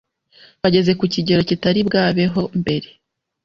bageze ku kigero kitaribwabeho mbere